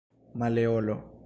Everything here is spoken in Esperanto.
Maleolo